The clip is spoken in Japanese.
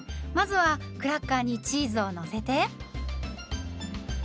まずはクラッカーにチーズをのせて。